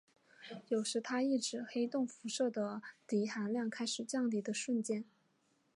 有时它亦指黑洞辐射的熵含量开始降低的瞬间。